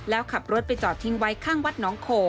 แล้วขับรถไปจอดทิ้งไว้ข้างวัดน้องโค